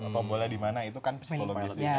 tombolnya dimana itu kan psikologisnya